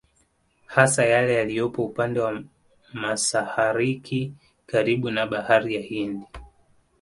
Hasa yale yaliyopo upande wa Masahariki karibu na bahari ya Hindi